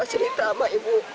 ketika dianggap terlalu banyak